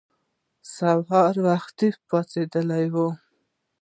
سهار وختي پاڅېدلي وو.